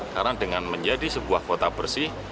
karena dengan menjadi sebuah kota bersih